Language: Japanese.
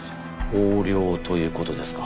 横領という事ですか？